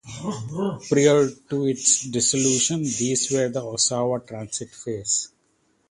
Prior to its dissolution these were the Oshawa Transit fares.